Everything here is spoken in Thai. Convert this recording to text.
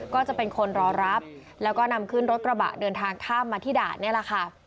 ก็จะเป็นคนรอรับแล้วก็นำขึ้นรถกระบะเดินทางข้ามมาที่ด่านนี่แหละค่ะ